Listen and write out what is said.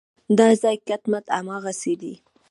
دا ځای کټ مټ هماغسې دی.